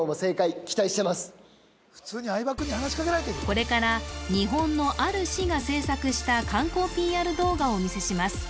これから日本のある市が制作した観光ＰＲ動画をお見せします